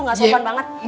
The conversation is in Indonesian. gak sopan banget